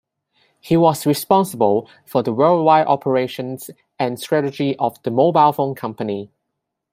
He was responsible for the worldwide operations and strategy of the mobile phone company.